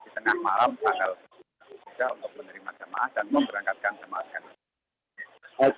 untuk menerima jamaah dan memberangkatkan jamaah ke masjidina